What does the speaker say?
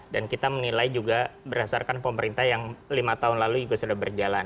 dan kita menilai juga berdasarkan pemerintah yang lima tahun lalu sudah berjalan